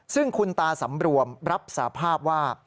ซึ่งคุณตาสำรวมรับสาภาพว่า